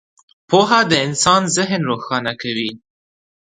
• پوهه د انسان ذهن روښانه کوي.